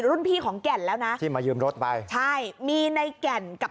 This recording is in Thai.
พี่ของแก่นแล้วนะที่มายืมรถไปใช่มีในแก่นกับ